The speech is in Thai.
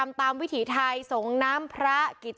เพราะว่าตอนนี้จริงสมุทรสาของเนี่ยลดระดับลงมาแล้วกลายเป็นพื้นที่สีส้ม